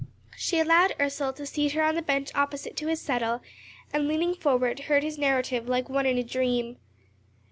She allowed Ursel to seat her on the bench opposite to his settle, and, leaning forward, heard his narrative like one in a dream.